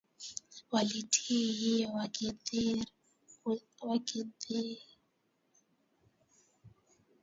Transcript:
waliitwa hivyo wakiridhia jina hili kwa jina